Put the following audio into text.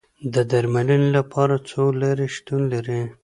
د درملنې لپاره څو لارې شتون لري.